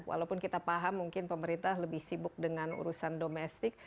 walaupun kita paham mungkin pemerintah lebih sibuk dengan urusan domestik